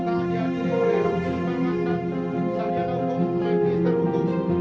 dan saya menuntut untuk berdakwa serta di penasihat utuhmu